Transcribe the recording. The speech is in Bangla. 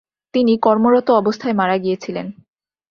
তিনি কর্মরত অবস্থায় মারা গিয়েছিলেন।